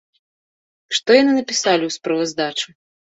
Што яны напісалі ў справаздачы?